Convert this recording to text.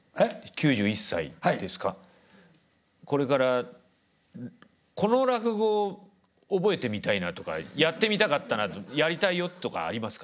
これからこの落語覚えてみたいなとかやってみたかったなやりたいよとかありますか。